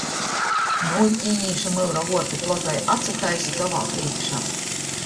Niu kīnīšu myura vuorti plotai atsataisa tovā prīškā.